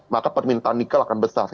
maka permintaan nikel akan besar